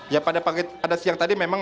ya pada siang tadi memang